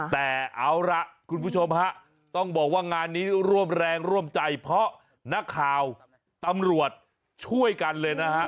แต่เอาล่ะคุณผู้ชมฮะต้องบอกว่างานนี้ร่วมแรงร่วมใจเพราะนักข่าวตำรวจช่วยกันเลยนะฮะ